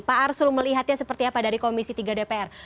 pak arsul melihatnya seperti apa dari komisi tiga dpr